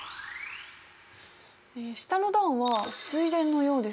下の段は水田のようですね。